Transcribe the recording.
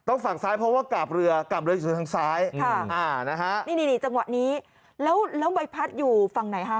ต้องฝั่งซ้ายเพราะว่ากากเรืออยู่ทางซ้ายจังหวะนี้แล้วใบพัดอยู่ฝั่งไหนฮะ